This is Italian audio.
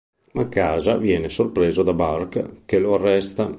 Ma, a casa, viene sorpreso da Burke, che lo arresta.